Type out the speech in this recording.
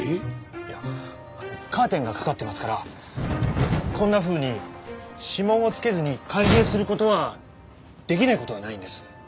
いやカーテンがかかってますからこんなふうに指紋をつけずに開閉する事は出来ない事はないんです。